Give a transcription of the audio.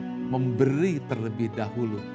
menerima menerima dan menerima terlebih dahulu